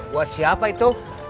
buat siapa itu